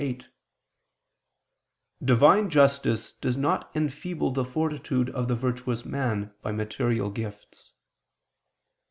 viii), "Divine justice does not enfeeble the fortitude of the virtuous man, by material gifts."